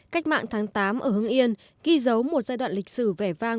cách mạng tháng tám ở hương nghiên ghi dấu một giai đoạn lịch sử vẻ vang